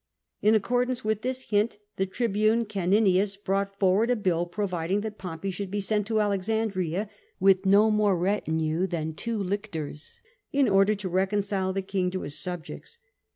In accordance with this Wt, the tribune Caninius brought forward a bill providing that Pompey should be sent to Alexandria with no more retinue than two lictors, in order to reconcile the king to his subjects.